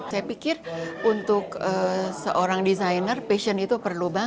saya pikir untuk seorang desainer passion itu perlu banget